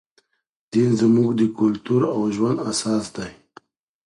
دین زموږ د کلتور او ژوند اساس دی.